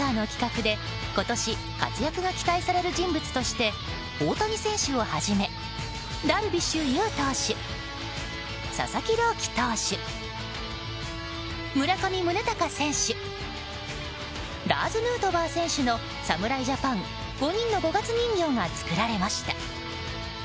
人形メーカーの企画で、今年活躍が期待される人物として大谷選手をはじめダルビッシュ有投手佐々木朗希投手村上宗隆選手ラーズ・ヌートバー選手の侍ジャパン５人の五月人形が作られました。